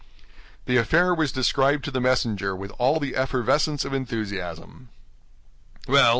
The affair was described to the messenger with all the effervescence of enthusiasm. "Well?"